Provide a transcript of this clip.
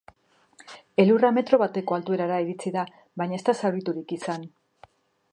Elurra metro bateko altuerara iritsi da, baina ez da zauriturik izan.